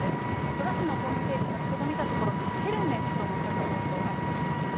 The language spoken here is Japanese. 戸田市のホームページ、先ほど見たところ、ヘルメットも着用とありました。